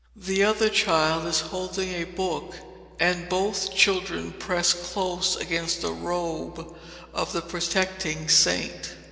The other child is holding a book, and both children press close against the robe of the protecting saint.